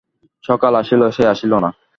সকাল আসিল, সে আসিল না।